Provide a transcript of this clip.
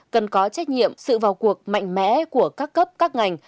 cần có trách nhiệm sự vào cuộc mạnh mẽ của các cấp các ngành